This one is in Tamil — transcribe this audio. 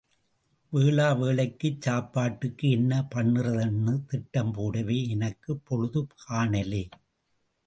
வேளா வேளைக்குச் சாப்பாட்டுக்கு என்ன பண்றதுன்னு திட்டம் போடவே எனக்குப் பொழுது காணலே.